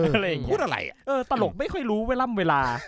พูดอะไรเออตลกไม่ค่อยรู้เวลาเวลา